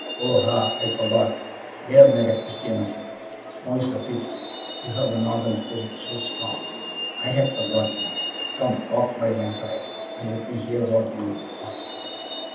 "Oh, ha! I forgot. They have made a Christian of you more's the pity. You have the Northern spirit so strong. I had forgotten it. Come, walk by my side, and let me hear what you would ask.